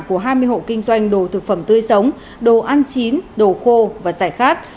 của hai mươi hộ kinh doanh đồ thực phẩm tươi sống đồ ăn chín đồ khô và giải khát